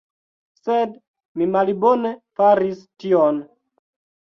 Sed mi malbone faris tion.